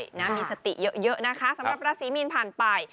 ใช่นะมีสติเยอะนะคะสำหรับราศีมีนผ่านไป